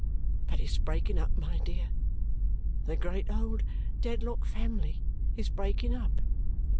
But it's breaking up, my dear; the great old Dedlock family is breaking up."